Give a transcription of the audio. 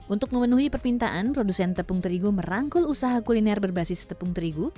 untuk memenuhi perpintaan produsen tepung terigu merangkul usaha kuliner berbasis tepung terigu